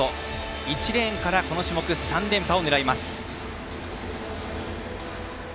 １レーンからこの種目３連覇を狙います。